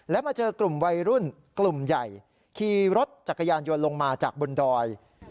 และมาเจอกลุ่มวัยรุ่นกลุ่มใหญ่ขี่รถจักรยานยนต์ลงมาจากบนดอย